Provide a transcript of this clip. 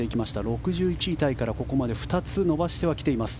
６１位タイからここまで２つ伸ばしてきてはいます。